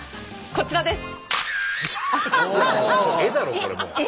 こちらです！